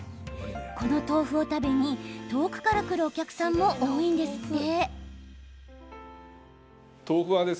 この豆腐を食べに、遠くから来るお客さんも多いんですって。